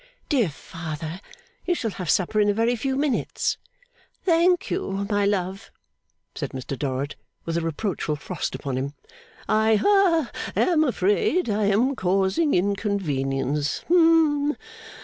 'Dear father, you shall have supper in a very few minutes.' 'Thank you, my love,' said Mr Dorrit, with a reproachful frost upon him; 'I ha am afraid I am causing inconvenience. Hum.